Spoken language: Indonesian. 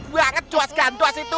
gua kejuas ganduas itu